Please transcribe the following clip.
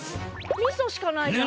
みそしかないじゃん。